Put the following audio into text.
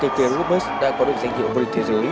người cha kỳ tiến lewis đã có được danh hiệu vdt